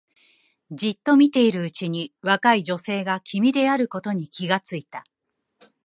じっと見ているうちに若い女性が君であることに気がついた